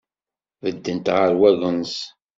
Beddent ɣef wagens.